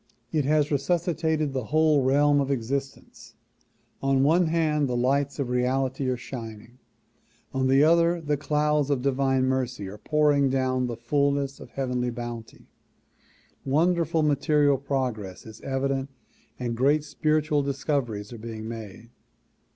It has resuscitated the whole realm of existence. On one hand the lights of reality are shining ; on the other the clouds of divine mercy are pouring down the fullness of heavenly bounty. Wonderful material progress is evident and great spiritual discoveries are being made.